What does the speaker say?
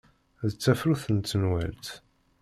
D tafrut n tenwalt.